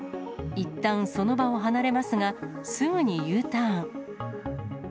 いったん、その場を離れますが、すぐにＵターン。